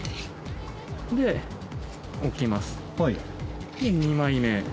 で置きます。